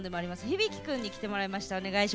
響輝君に来てもらいました。